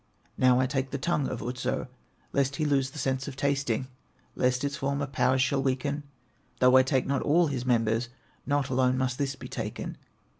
"Now I take the tongue of Otso, Lest he lose the sense of tasting, Lest its former powers shall weaken; Though I take not all his members, Not alone must this be taken.